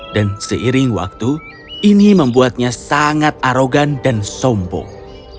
dan seiring waktu ini membuatnya sangat arogan dan sombong